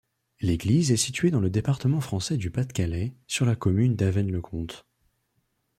L'église est située dans le département français du Pas-de-Calais, sur la commune d'Avesnes-le-Comte.